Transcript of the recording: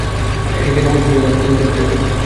এটি খেতে খুব সুস্বাদু, আবার তৈরিও করা যায় খুব কম সময়েই।